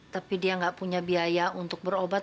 tapi dia nggak punya biaya untuk berobat